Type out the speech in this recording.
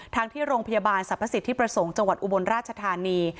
ที่โรงพยาบาลสรรพสิทธิประสงค์จังหวัดอุบลราชธานี